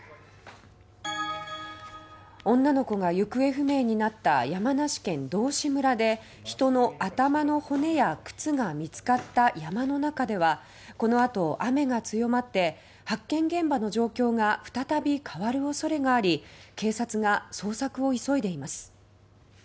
女の子が行方不明になった山梨県道志村で人の頭の骨や靴が見つかった山の中ではこの後、雨が強まって発見現場の状況が再び変わる恐れがあり警察が捜索を急いでいます。